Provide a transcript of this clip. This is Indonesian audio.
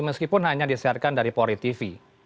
meskipun hanya disiarkan dari polri tv